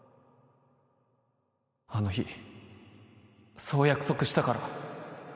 あの日そう約束したから